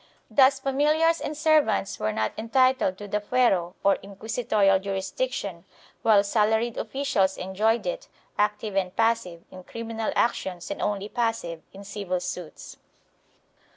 5 Thus familiars and servants were not entitled to the fuero, or inquisitorial jurisdiction, while salaried officials enjoyed it, active and passive, in criminal actions and only passive in civil suits.